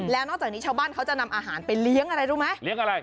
แล้วนอกจากนี้ชาวบ้านเขาจะนำอาหารไปเลี้ยงอะไรรู้ไหมเลี้ยงอะไร